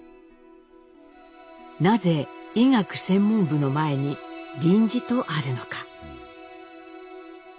なぜ医学専門部の前に「臨時」とあるのか。